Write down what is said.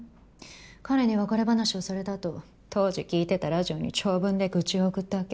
カレに別れ話をされたあと当時聴いてたラジオに長文で愚痴を送ったわけ。